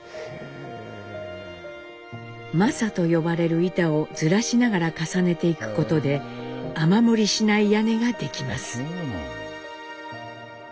柾と呼ばれる板をずらしながら重ねていくことで雨漏りしない屋根ができます。